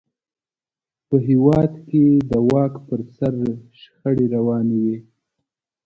په هېواد کې د واک پر سر شخړې روانې وې.